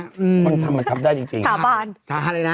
คนทำมันทำได้จริงครับก็สาบาน